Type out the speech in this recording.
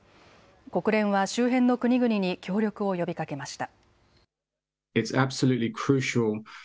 国連は周辺の国々に協力を呼びかけました。